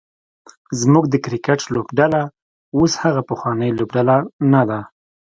زمونږ د کرکټ لوبډله اوس هغه پخوانۍ لوبډله نده